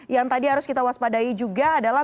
yang tadi harus kita waspadai juga adalah